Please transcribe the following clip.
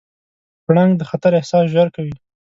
پړانګ د خطر احساس ژر کوي.